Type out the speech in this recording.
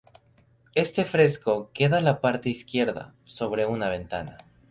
Este fresco queda a la parte izquierda, sobre una ventana.